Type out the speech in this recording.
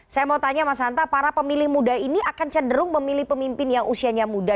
saya mau tanya mas hanta para pemilih muda ini akan cenderung memilih pemimpin yang usianya muda